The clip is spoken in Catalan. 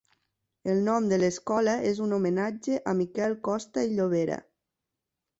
El nom de l'escola és un homenatge a Miquel Costa i Llobera.